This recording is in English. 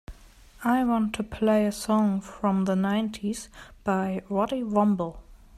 I want to play a song from the nineties by Roddy Woomble